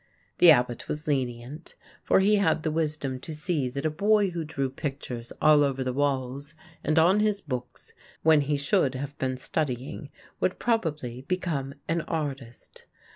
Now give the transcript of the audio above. The abbot was lenient; for he had the wisdom to see that a boy who drew pictures all over the walls and on his books when he should have been studying would probably become an artist.